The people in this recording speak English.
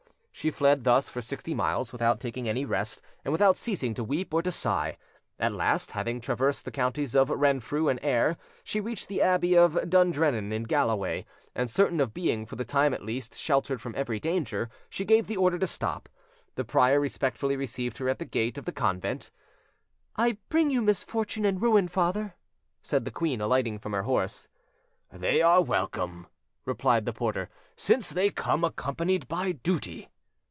She fled thus for sixty miles, without taking any rest, and without ceasing to weep or to sigh: at last, having traversed the counties of Renfrew and Ayr, she reached the Abbey of Dundrennan, in Galloway, and certain of being, for the time at least, sheltered from every danger, she gave the order to stop. The prior respectfully received her at the gate of the convent. "I bring you misfortune and ruin, father," said the queen, alighting from her horse. "They are welcome," replied the prior, "since they come accompanied by duty."